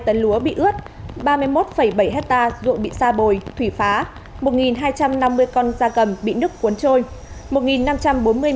ba hai tấn lúa bị ướt ba mươi một bảy hecta ruộng bị sa bồi thủy phá một hai trăm năm mươi con da cầm bị nước cuốn trôi